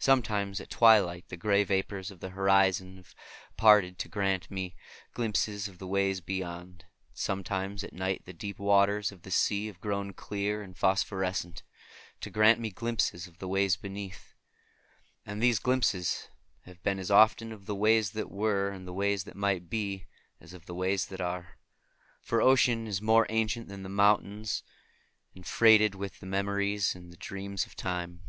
Sometimes at twilight the gray vapors of the horizon have parted to grant me glimpses of the ways beyond; and sometimes at night the deep waters of the sea have grown clear and phosphorescent, to grant me glimpses of the ways beneath. And these glimpses have been as often of the ways that were and the ways that might be, as of the ways that are; for ocean is more ancient than the mountains, and freighted with the memories and the dreams of Time.